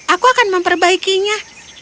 aku akan memperbaikinya